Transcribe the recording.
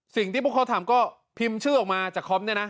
สิ่งที่พวกเขาทำก็พิมพ์ชื่อออกมาจากคอมเนี่ยนะ